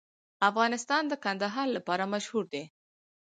افغانستان د کندهار لپاره مشهور دی.